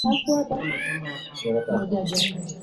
kwa kipindi hiki cha uongozi wake jambo la